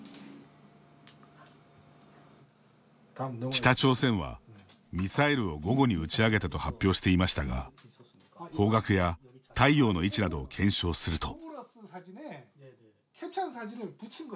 北朝鮮はミサイルを午後に打ち上げたと発表していましたが方角や太陽の位置などを検証すると。